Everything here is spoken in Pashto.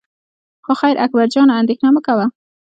خو خیر اکبر جانه اندېښنه مه کوه.